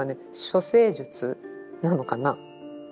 処世術なのかな？